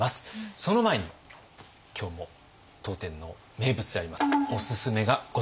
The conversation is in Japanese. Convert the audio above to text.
その前に今日も当店の名物でありますおすすめがございます。